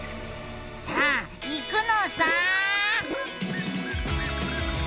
さあいくのさ！